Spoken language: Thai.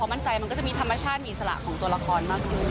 มันก็จะมีธรรมชาติมีสละของตัวละครมากกว่า